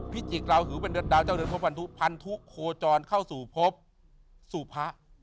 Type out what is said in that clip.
พิจิกราหูเป็นดาวเจ้าเรือนพันธุโคจรเข้าสู่พพสู่พระ